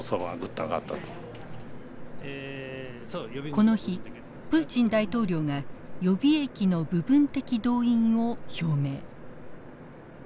この日プーチン大統領が予備役の部分的動員を表明。